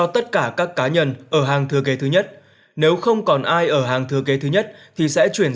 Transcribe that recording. tất cả các cá nhân ở hàng thừa kế thứ nhất nếu không còn ai ở hàng thừa kế thứ nhất thì sẽ chuyển